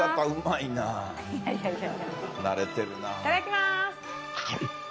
いただきます！